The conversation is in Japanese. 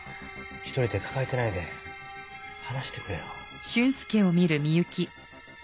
一人で抱えてないで話してくれよ。